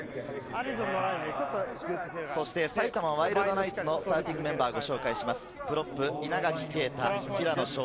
埼玉ワイルドナイツのスターティングメンバーです。